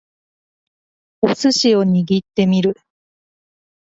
お寿司を握ってみる